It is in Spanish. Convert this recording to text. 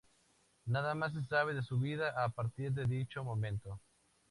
Nada más se sabe de su vida a partir de dicho momento.